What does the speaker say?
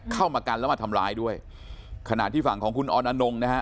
เข้ามากันแล้วมาทำร้ายด้วยขณะที่ฝั่งของคุณออนอนงนะฮะ